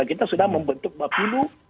kita sudah membentuk bapilu